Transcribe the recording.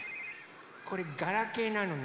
これガラケーなのね。